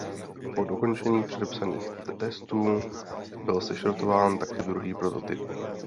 Po dokončení předepsaných testů byl sešrotován také druhý prototyp.